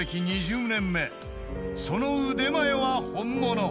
［その腕前は本物］